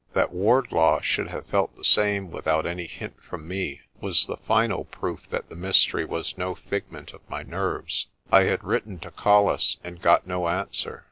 That Wardlaw should have felt the same without any hint from me was the final proof that the mystery was no figment of my nerves. I had written to Colles and got no answer.